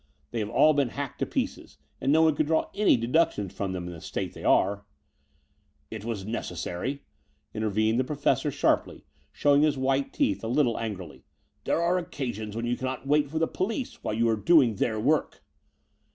They tte have all been hacked to pieces; and no one could cm draw any deductions from them in the state they they axe." ate It was necessary," intervened the Professor sharply, showing his white teeth a little angrily. M There are occasions when you cannot wait for ij, the police, when you are doing their work."